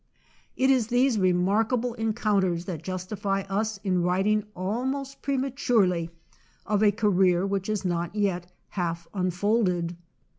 It is these remarkable encounters that justify us in writing almost prematurely of a career which is not yet half unfold ed.